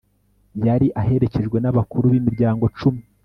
yari aherekejwe n'abakuru b'imiryango cumi